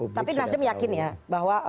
tapi nas dem yakin ya bahwa